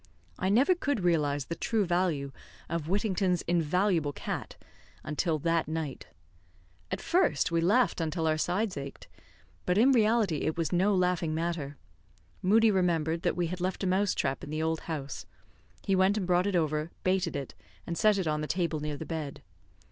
I never could realise the true value of Whittington's invaluable cat until that night. At first we laughed until our sides ached, but in reality it was no laughing matter. Moodie remembered that we had left a mouse trap in the old house; he went and brought it over, baited it, and set it on the table near the bed.